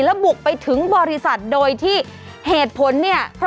ทำไมมึงอยู่คนเดียวมึงไม่เก่งอะ